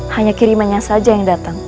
hanya kirimannya saja yang datang